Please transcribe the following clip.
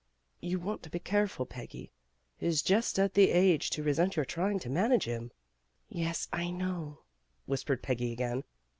"You want to be careful, Peggy. He's just at the age to resent your trying to manage him." "Yes, I know," whispered Peggy again.